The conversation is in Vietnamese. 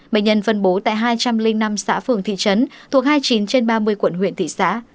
bệnh nhân phân bố tại hai trăm linh năm xã phường thị trấn thuộc hai mươi chín trên ba mươi quận huyện thị xã